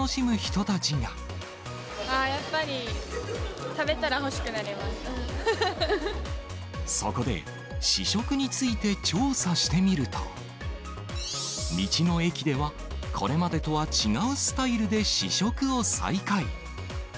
やっぱり、食べたら欲しくなそこで、試食について調査してみると、道の駅では、これまでとは違うスタイルで試食を再開。